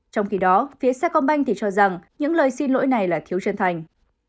trong khi đó phía sai công banh thì cho rằng những lời xin lỗi này là thiếu chân thành